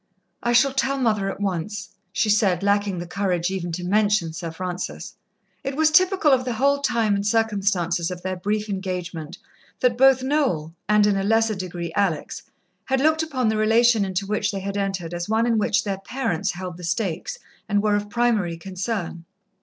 "I shall tell mother at once," she said, lacking the courage even to mention Sir Francis. It was typical of the whole time and circumstances of their brief engagement that both Noel, and, in a lesser degree, Alex, had looked upon the relation into which they had entered as one in which their parents held the stakes and were of primary concern.